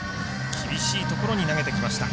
厳しいところに投げてきました。